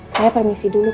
saya permisi dulu pak